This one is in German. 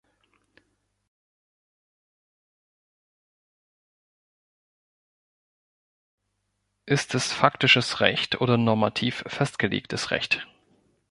Ist es faktisches Recht oder normativ festgelegtes Recht?